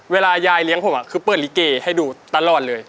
เวลายายเลี้ยงผมคือเปิดลิเกให้ดูตลอดเลย